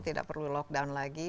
tidak perlu lock down lagi